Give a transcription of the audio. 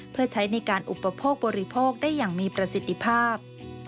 เพื่อใช้ในการอุปโภคบริโภคได้อย่างมีประสิทธิภาพ